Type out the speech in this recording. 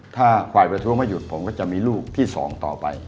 ถ้าฝ่ายประท้วงไม่หยุดผมก็จะมีลูกที่๒ต่อไป